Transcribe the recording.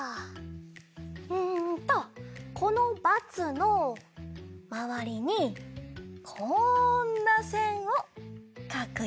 んとこのバツのまわりにこんなせんをかくよ！